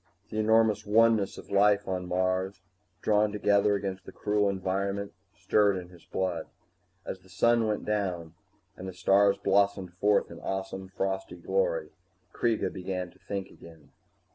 The enormous oneness of life on Mars, drawn together against the cruel environment, stirred in his blood. As the sun went down and the stars blossomed forth in awesome frosty glory, Kreega began to think again.